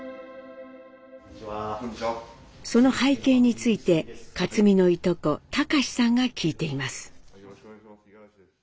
その背景について克実のいとこ貴さんが聞いています。